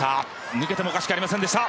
抜けてもおかしくありませんでした。